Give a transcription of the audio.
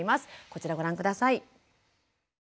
こちらご覧下さい。